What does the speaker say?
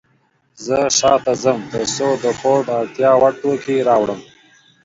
زه ښار ته ځم ترڅو د کور د اړتیا وړ توکې راوړم.